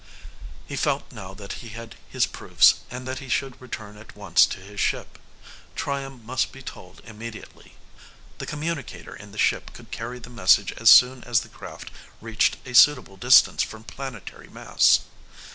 He felt now that he had his proofs and that he should return at once to his ship. Triom must be told immediately. The communicator in the ship could carry the message as soon as the craft reached a suitable distance from planetary mass.